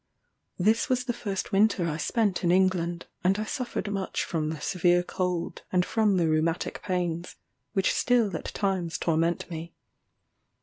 ] This was the first winter I spent in England, and I suffered much from the severe cold, and from the rheumatic pains, which still at times torment me.